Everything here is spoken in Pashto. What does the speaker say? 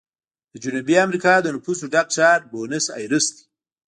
د جنوبي امریکا د نفوسو ډک ښار بونس ایرس دی.